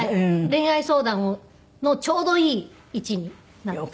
恋愛相談のちょうどいい位置になって。